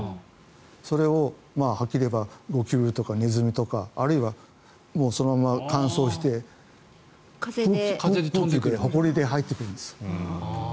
それをはっきり言えばゴキブリとかネズミとかあるいはそのまま乾燥して飛んでほこりで入ってくるんです。